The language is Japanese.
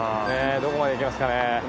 どこまで行けますかね。